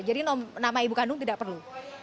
jadi nama ibu kandung tidak perlu